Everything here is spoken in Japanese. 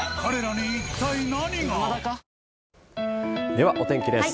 では、お天気です。